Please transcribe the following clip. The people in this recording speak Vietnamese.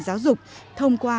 giáo dục thông qua